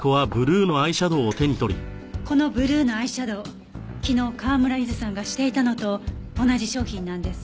このブルーのアイシャドー昨日川村ゆずさんがしていたのと同じ商品なんです。